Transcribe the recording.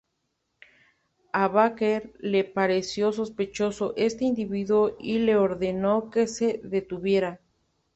A Baker le pareció sospechoso este individuo y le ordenó que se le detuviera.